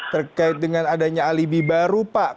terkait dengan adanya alibi baru pak